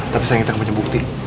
tapi saya ingat banyak bukti